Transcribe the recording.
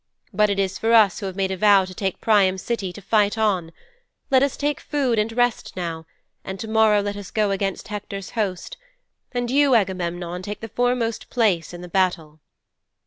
But it is for us who have made a vow to take Priam's city, to fight on. Let us take food and rest now, and to morrow let us go against Hector's host, and you, Agamemnon, take the foremost place in the battle."'